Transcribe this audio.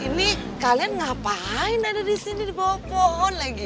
ini kalian ngapain ada di sini di pohon lagi